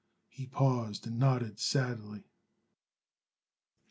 He paused and nodded sadly.